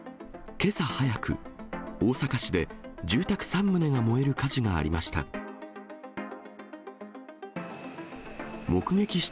けさ早く、大阪市で住宅３棟が燃える火事がありました。